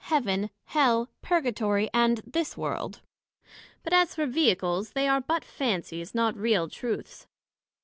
Heaven, Hell, Purgatory, and this World; but as for Vehicles, they are but fancies, not real truths.